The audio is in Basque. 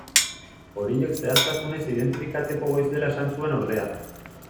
Horiek zehaztasunez identifikatzeko goiz dela esan zuen ordea.